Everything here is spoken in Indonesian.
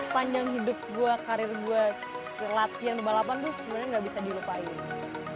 sepanjang hidup gue karir gue latihan di balapan tuh sebenarnya gak bisa dilupain